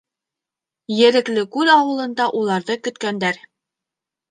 ...Ереклекүл ауылында уларҙы көткәндәр.